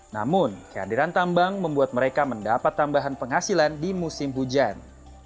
namun kehadiran tambang membuat mereka mendapat tambahan penghasilan di musim hujan